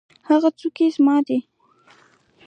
هغه څوکۍ زما ده.